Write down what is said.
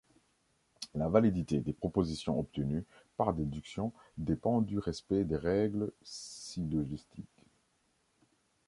La validité des propositions obtenues par déduction dépend du respect des règles syllogistiques.